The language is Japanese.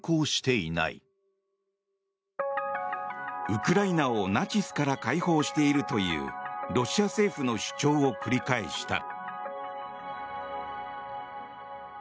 ウクライナをナチスから解放しているというロシア政府の主張を繰り返した。